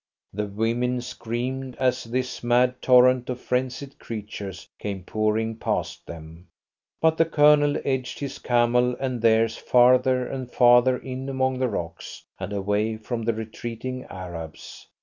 The women screamed as this mad torrent of frenzied creatures came pouring past them, but the Colonel edged his camel and theirs farther and farther in among the rocks and away from the retreating Arabs.